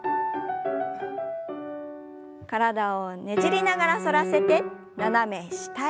体をねじりながら反らせて斜め下へ。